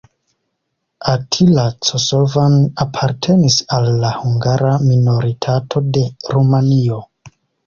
Attila Cosovan apartenis al la hungara minoritato de Rumanio.